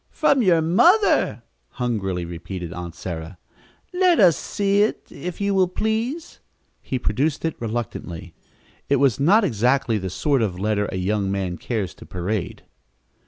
"From your mother!" hungrily repeated Aunt Sarah. "Let us see it, if you will, please." He produced it reluctantly. It was not exactly the sort of letter a young man cares to parade.